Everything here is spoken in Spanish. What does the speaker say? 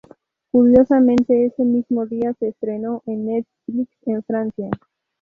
Curiosamente, ese mismo día se estrenó en "Netflix" en Francia.